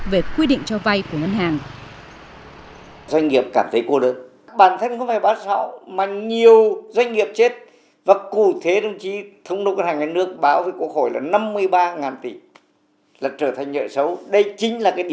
về quy định cho vai